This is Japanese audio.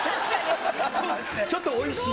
ちょっとおいしい？